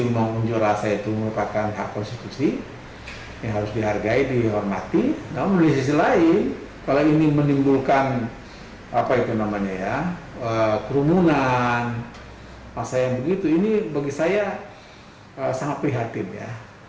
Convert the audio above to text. masa yang begitu ini bagi saya sangat prihatin ya